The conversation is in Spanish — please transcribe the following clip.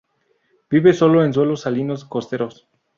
Vive sólo en suelos salinos costeros.